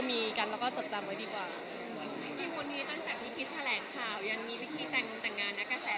ไม่รู้เหมือนกันอะ